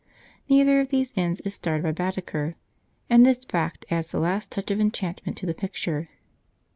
Neither of these inns is starred by Baedeker, and this fact adds the last touch of enchantment to the picture.